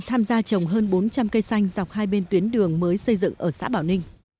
tham gia trồng hơn bốn trăm linh cây xanh dọc hai bên tuyến đường mới xây dựng ở xã bảo ninh